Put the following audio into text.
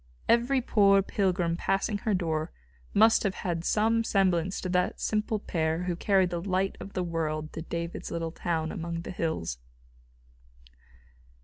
Every poor pilgrim passing her door must to her sympathetic heart have had some semblance to that simple pair who carried the Light of the World to David's little town among the hills.